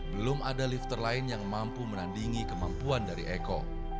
belum ada lifter lain yang mampu menandingi kemampuan dari eko